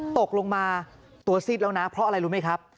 ตกลงมาตัวซิดแล้วนะเพราะอะไรรู้ไหมครับ